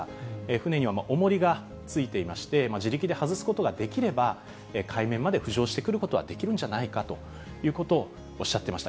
船にはおもりがついていまして、自力で外すことができれば、海面まで浮上してくることはできるんじゃないかということをおっしゃってました。